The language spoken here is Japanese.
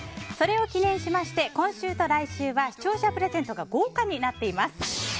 それを記念しまして今週と来週は視聴者プレゼントが豪華になっています。